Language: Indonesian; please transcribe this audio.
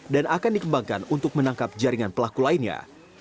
dan akan dikembangkan untuk menangkap jaringan pelaku lainnya